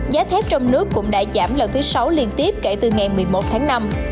giá thép trong nước cũng đã giảm lần thứ sáu liên tiếp kể từ ngày một mươi một tháng năm